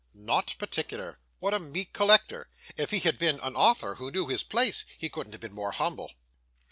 Not particular! What a meek collector! If he had been an author, who knew his place, he couldn't have been more humble.